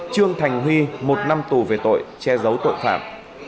trương thành huy một năm tù về tội che giấu tội phạm